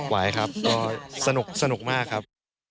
ไหวครับก็สนุกมากครับ